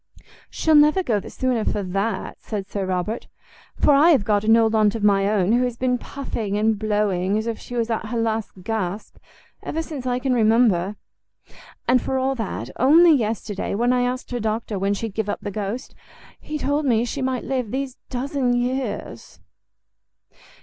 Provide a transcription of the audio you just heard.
"She'll go never the sooner for that," said Sir Robert, "for I have got an old aunt of my own, who has been puffing and blowing as if she was at her last gasp ever since I can remember; and for all that, only yesterday, when I asked her doctor when she'd give up the ghost, he told me she might live these dozen years."